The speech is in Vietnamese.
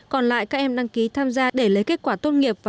còn lại các em đăng ký tham gia để lấy kết quả tốt nghiệp